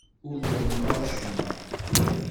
Ur d-nrennu acemma.